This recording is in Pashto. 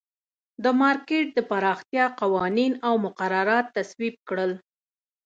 د مارکېټ د پراختیا قوانین او مقررات تصویب کړل.